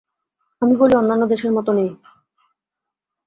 আমি বলি, অন্যান্য দেশের মত নেই।